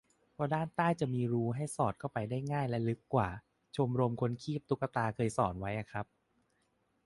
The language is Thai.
เพราะด้านใต้จะมีรูให้สอดเข้าไปได้ง่ายและลึกกว่า - ชมรมคนคีบตุ๊กตา เคยสอนไว้อะครับ